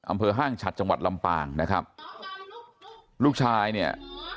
ห้างฉัดจังหวัดลำปางนะครับลูกชายเนี่ย